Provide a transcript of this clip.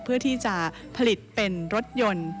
เพื่อที่จะผลิตเป็นรถยนต์